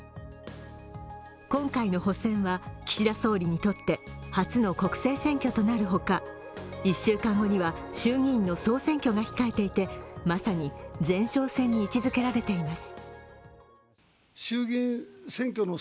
今回の補選は、岸田総理にとって初の国政選挙となるほか１週間後には衆議院の総選挙が控えていてまさに前哨戦に位置づけられています。